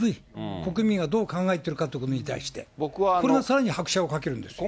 国民がどう考えてるかということに対して、これがさらに拍車をかけるんですよ。